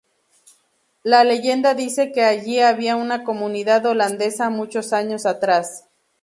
La leyenda dice que allí había una comunidad holandesa muchos años atrás.